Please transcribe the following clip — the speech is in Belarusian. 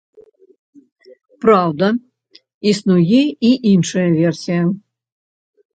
Праўда, існуе і іншая версія.